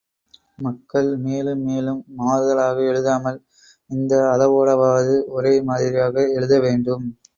மக்கள் மேலும் மேலும் மாறுதலாக எழுதாமல், இந்த அளவோடாவது ஒரே மாதிரியாய் எழுத வேண்டும்.